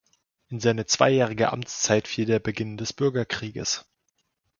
In seine zweijährige Amtszeit fiel der Beginn des Bürgerkrieges.